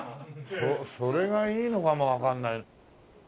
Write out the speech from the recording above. それがいいのかもわかんない。